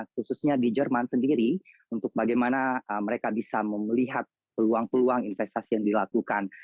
khususnya di jerman sendiri untuk bagaimana mereka bisa melihat peluang peluang investasi yang dilakukan